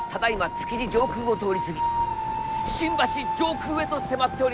築地上空を通り過ぎ新橋上空へと迫っております。